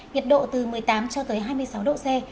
nhiệt độ từ một mươi tám cho tới hai mươi sáu độ c